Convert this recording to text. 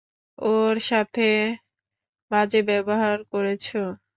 ওর সাথে বাজে ব্যবহার করেছো?